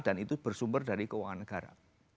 dan itu bersumber dari keuangan negara